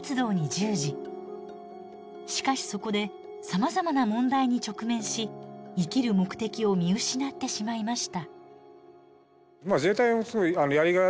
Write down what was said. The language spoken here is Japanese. しかしそこでさまざまな問題に直面し生きる目的を見失ってしまいました。